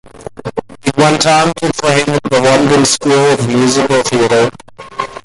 He went on to train at the London School of Musical Theatre.